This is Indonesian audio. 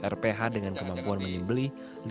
rph dengan kemampuan menyembeli